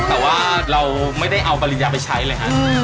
แต่ว่าเราไม่ได้เอาปริญญาไปใช้เลยฮะ